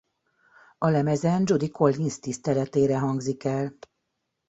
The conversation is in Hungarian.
A lemezen Judy Collins tiszteletére hangzik el.